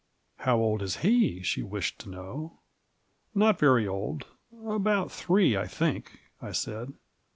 " How old is A^ f " she wished to know. " Not very old — about three, I think," I said.